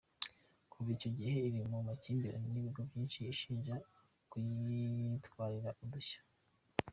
Kuva icyo gihe iri mu makimbirane n’ibigo byinshi ishinja kuyitwarira udushya.